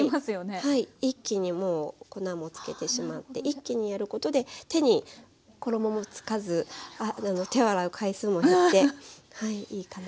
はい一気にもう粉も付けてしまって一気にやることで手に衣も付かず手を洗う回数も減っていいかなと思います。